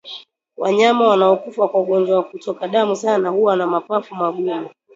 Wanyama wanaokufa kwa ugonjwa wakutoka damu sana huwa na mapafu magumu